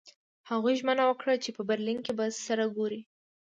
هغوی ژمنه وکړه چې په برلین کې به سره ګوري